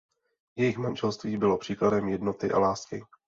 Jejich manželství bylo příkladem jednoty a lásky.